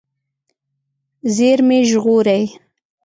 زېرمې ژغورئ.